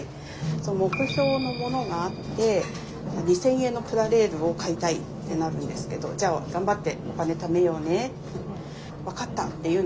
目標のものがあって２，０００円のプラレールを買いたいってなるんですけど「じゃあ頑張ってお金貯めようね」って。